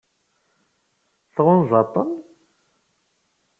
Tɣunzaḍ-ten?